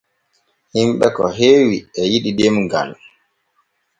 Hinɓe ko heewi e yiɗi demgal.